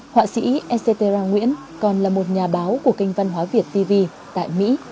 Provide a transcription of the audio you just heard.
họa sĩ ecera nguyễn còn là một nhà báo của kênh văn hóa việt tv tại mỹ